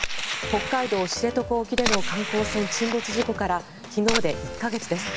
北海道・知床沖での観光船沈没事故から昨日で１か月です。